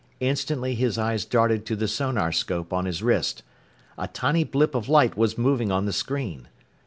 Instantly his eyes darted to the sonarscope on his wrist. A tiny blip of light was moving on the screen!